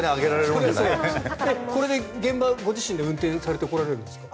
これで現場ご自身で運転されて来られるんですか？